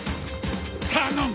頼む